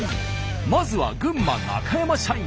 まずは群馬中山社員。